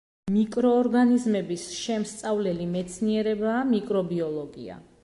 მიკროორგანიზმების შემსწავლელი მეცნიერებაა მიკრობიოლოგია.